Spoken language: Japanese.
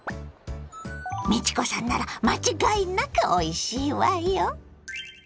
美智子さんなら間違いなくおいしいわよ！